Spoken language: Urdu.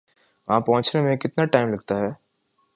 وہاں پہنچنے میں کتنا ٹائم لگتا ہے؟